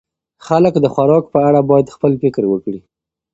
خلک د خوراک په اړه باید خپل فکر وکړي.